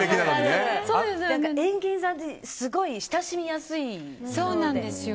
エンケンさんってすごい親しみやすい方なんですよ。